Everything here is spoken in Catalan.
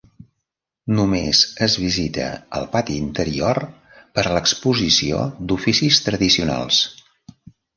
Només es visita el pati interior per a l'exposició d'oficis tradicionals.